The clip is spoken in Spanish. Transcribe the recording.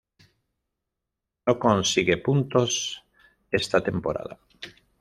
No consigue puntos esta temporada.